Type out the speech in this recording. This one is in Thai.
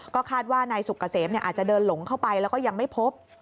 ก็คาดว่านายสุกเกษมอาจจะเดินหลงเข้าไปแล้วก็ยังไม่พบ